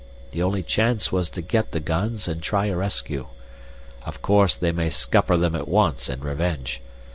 The only chance was to get the guns and try a rescue. Of course they may scupper them at once in revenge.